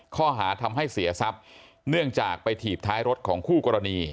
ข้อหาทำให้เสียทรัพย์เนื่องจากไปถีบท้ายรถของคู่กรณี